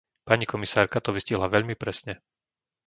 Pani komisárka to vystihla veľmi presne.